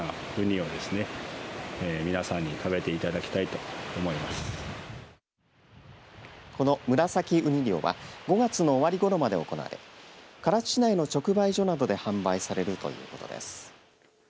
すごいまろやかでこのムラサキウニ漁は５月の終わりごろまで行われ唐津市内の直売所などで販売されるということです。